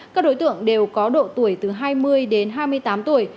các đối tượng đều có độ tuổi từ hai mươi đến hai mươi tám tuổi